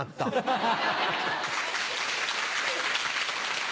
ハハハ。